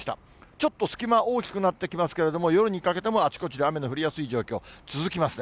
ちょっと隙間、大きくなってきますけれども、夜にかけてもあちこちで雨の降りやすい状況、続きますね。